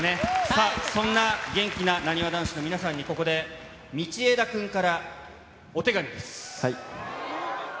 さあ、そんな元気ななにわ男子の皆さんにここで、道枝君からお手紙です。